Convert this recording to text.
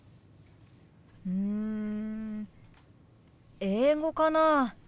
うん英語かな。